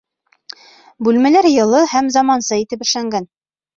Бүлмәләр йылы һәм заманса итеп эшләнгән.